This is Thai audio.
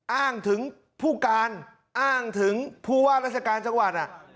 อ้างถึงผู้การอ้างถึงผู้ว่าราชการจังหวัด